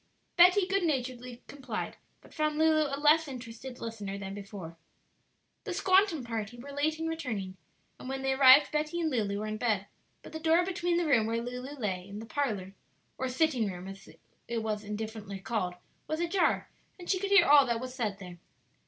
Betty good naturedly complied, but found Lulu a less interested listener than before. The "squantum" party were late in returning, and when they arrived Betty and Lulu were in bed; but the door between the room where Lulu lay and the parlor, or sitting room, as it was indifferently called, was ajar, and she could hear all that was said there.